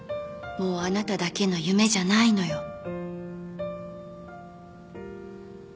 もうあなただけの夢じゃないのよ。